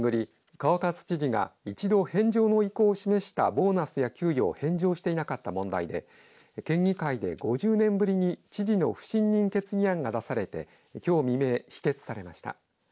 川勝知事が一度返上の意向を示したボーナスや給与を返上していなかった問題で県議会で５０年ぶりに知事の不信任決議案が出されてきょう未明、否決されました。